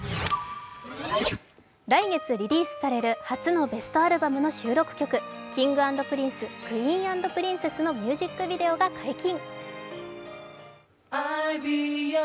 来月リリースされる初のベストアルバムの収録曲、「Ｋｉｎｇ＆Ｐｒｉｎｃｅ，Ｑｕｅｅｎ＆Ｐｒｉｎｃｅｓｓ」のミュージックビデオが解禁。